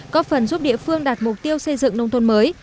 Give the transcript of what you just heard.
có phần giúp địa phương đạt mục tiêu xây dựng nông thôn mới